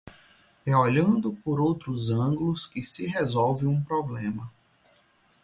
É olhando por outros ângulos que se resolve um problema